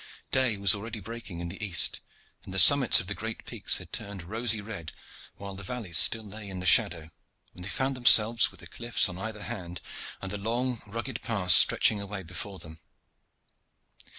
Day was already breaking in the east, and the summits of the great peaks had turned rosy red, while the valleys still lay in the shadow, when they found themselves with the cliffs on either hand and the long, rugged pass stretching away before them.